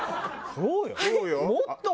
そうよ。